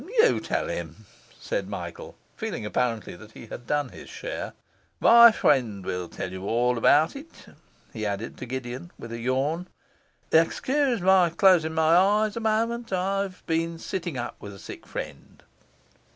'You tell him,' said Michael, feeling, apparently, that he had done his share. 'My friend will tell you all about it,' he added to Gideon, with a yawn. 'Excuse my closing my eyes a moment; I've been sitting up with a sick friend.